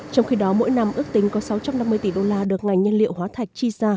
trong khi đó mỗi năm ước tính có sáu trăm năm mươi tỷ đô la được ngành nhân liệu hóa thạch chi ra